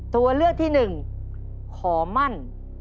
ตัวเลือกที่หนึ่งขอมั่น